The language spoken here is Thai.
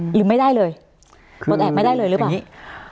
หรือไม่ได้เลยปลดแอบไม่ได้เลยหรือเปล่า